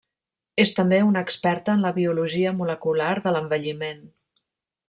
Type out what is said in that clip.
És també una experta en la biologia molecular de l'envelliment.